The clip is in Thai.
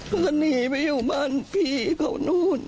ก็หนีไปอยู่บ้านพี่เขานู่น